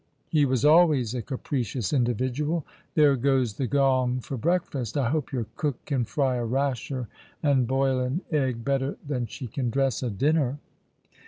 He was always a capricious individual. There goes the gong for breakfast. I hope your cook can fry a rasher and boil an egg better than she can dress a dinner."